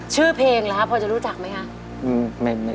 ชื่อเพลงแล้วพอจะรู้จักไหมคะ